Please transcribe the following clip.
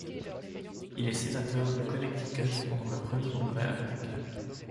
Il est sénateur du Connecticut pendant le premier Congrès américain.